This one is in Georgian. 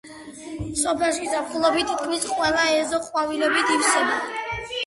სოფელში ზაფხულობით თითქმის ყველა ეზო ყვავილებით ივსება.